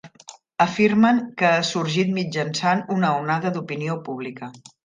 Afirmen que ha sorgit mitjançant una onada d'opinió pública.